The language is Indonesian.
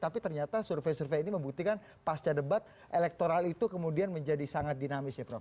tapi ternyata survei survei ini membuktikan pasca debat elektoral itu kemudian menjadi sangat dinamis ya prof